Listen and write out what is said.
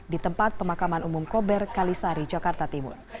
di tempat pemakaman umum kober kalisari jakarta timur